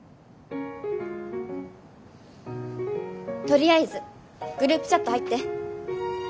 とりあえずグループチャット入って。は？